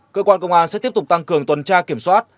cơ quan công an sẽ tiếp tục tăng cường tuần tra kiểm soát